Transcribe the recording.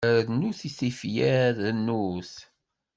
Rnut tifyar, rnut!